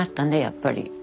やっぱり。